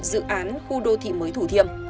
dự án khu đô thị mới thủ thiêm